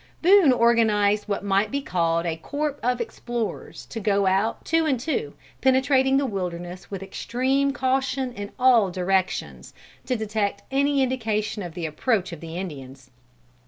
Boone organized what might be called a corps of explorers to go out two and two, penetrating the wilderness with extreme caution, in all directions, to detect any indication of the approach of the Indians.